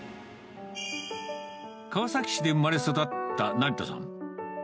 川崎市で生まれ育った成田さん。